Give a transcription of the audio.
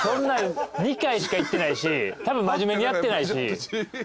２回しか行ってないしたぶん真面目にやってないし。